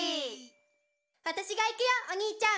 「わたしが行くよおにいちゃん」